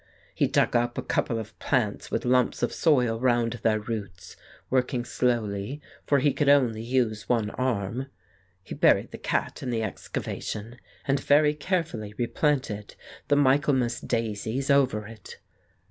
He dug up a couple of plants with lumps of soil round their roots, working slowly, for he could only use one arm. He buried the cat in the excavation, and very carefully replanted the Michaelmas daisies over it.